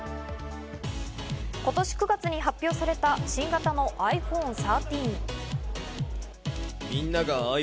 今年９月に発表された新型のｉＰｈｏｎｅ１３。